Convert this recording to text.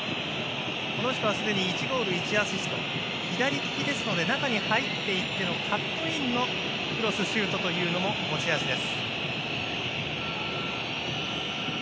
この人はすでに１ゴール１アシスト左利きですので中に入っていってのカットインのクロスシュートも持ち味です。